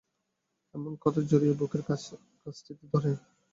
এমনি কথা জড়িয়ে বুকের কাছটিতে ধরে।